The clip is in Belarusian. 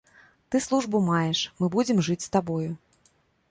Ты службу маеш, мы будзем жыць з табою.